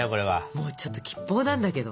もうちょっと吉報なんだけど。